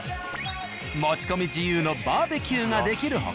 持ち込み自由のバーベキューができる他。